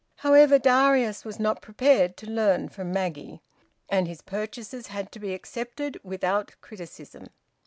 However, Darius was not prepared to learn from Maggie, and his purchases had to be accepted without criticism.